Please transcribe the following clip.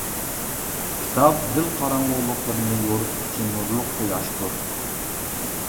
كىتاب دىل قاراڭغۇلۇقلىرىنى يورۇتقۇچى نۇرلۇق قۇياشتۇر.